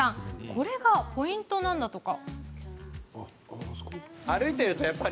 これがポイントなんだとか。